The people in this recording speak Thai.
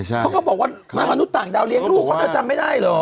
เขาก็บอกว่านางมนุษย์ต่างดาวเลี้ยงลูกเขาเธอจำไม่ได้เหรอ